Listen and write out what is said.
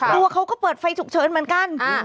ตัวเขาก็เปิดไฟฉุกเฉินเหมือนกัน